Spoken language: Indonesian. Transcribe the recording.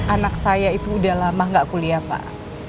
anak saya itu udah lama gak kuliah pak